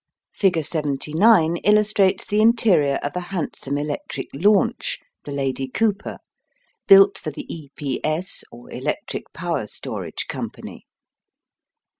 Figure 79 illustrates the interior of a handsome electric launch, the Lady Cooper, built for the "E P S," or Electric Power Storage Company.